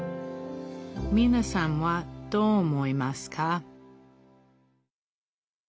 みなさんはどう思いますか？